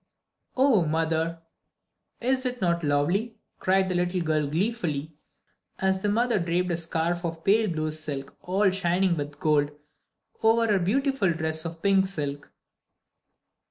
"Oh, mother, is it not lovely?" cried the little girl gleefully, as the mother draped a scarf of pale blue silk all shining with gold over her beautiful dress of pink silk.